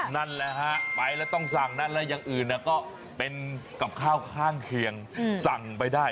นั่นแหละฮะไปแล้วต้องสั่งนั่นแล้วอย่างอื่นก็เป็นกับข้าวข้างเคียงสั่งไปได้